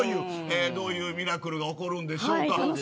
どういうミラクルが起こるんでしょうか。